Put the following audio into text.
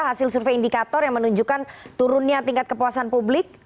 hasil survei indikator yang menunjukkan turunnya tingkat kepuasan publik